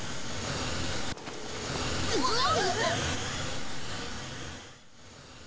うわあっ。